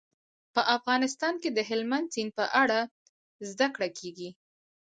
په افغانستان کې د هلمند سیند په اړه زده کړه کېږي.